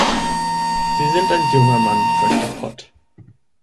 Sie sind ein junger Mann, sagte Pott.